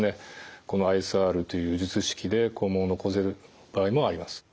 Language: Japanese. このＩＳＲという術式で肛門を残せる場合もあります。